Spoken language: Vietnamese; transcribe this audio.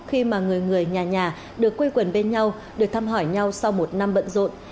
khi mà người người nhà nhà được quây quần bên nhau được thăm hỏi nhau sau một năm bận rộn